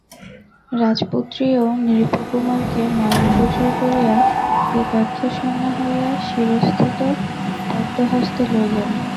রাজপুত্রীয় নৃপকুমারকে নয়নগোচর করিয়া কৃতার্থম্মন্যা হইয়া শিরঃস্থিত পদ্ম হস্তে লইলেন।